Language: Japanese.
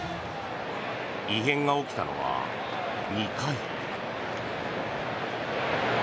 異変が起きたのは２回。